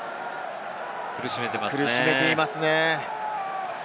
苦しめていますね。